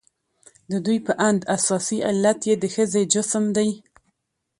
د ددوى په اند اساسي علت يې د ښځې جسم دى.